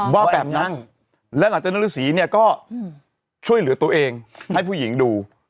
ว่าแบบนั้นแล้วหลังจากนั้นฤษีเนี่ยก็ช่วยเหลือตัวเองให้ผู้หญิงดู